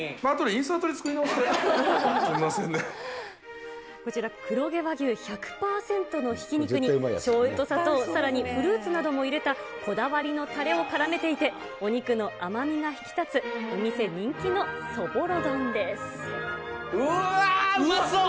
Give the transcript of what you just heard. あとでインサートで作り直しこちら、黒毛和牛１００％のひき肉にしょうゆと砂糖、さらにフルーツなども入れたこだわりのたれをからめていて、お肉の甘みが引き立つ、お店人気のそぼろ丼です。